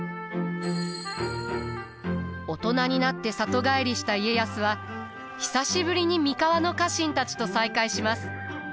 大人になって里帰りした家康は久しぶりに三河の家臣たちと再会します。